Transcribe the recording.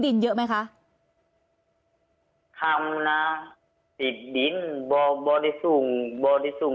ดินเยอะไหมคะทำนะติดดินบ่อบ่อดิซูงบ่อดิซูง